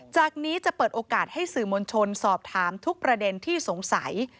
จากนี้จะเปิดโอกาสให้สื่อมวลชนสอบถามทุกประเด็นที่สงสัย